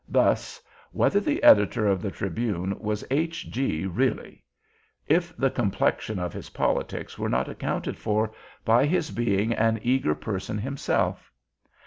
Thus: Whether the Editor of The Tribune was H.G. really? If the complexion of his politics were not accounted for by his being an eager person himself?